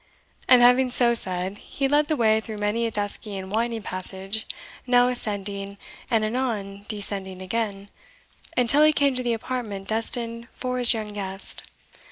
And having so said, he led the way through many a dusky and winding passage, now ascending, and anon descending again, until he came to the apartment destined for his young guest.